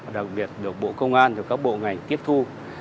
đặc biệt được bộ công an và các bộ ngành tiếp thu